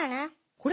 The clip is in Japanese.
これ？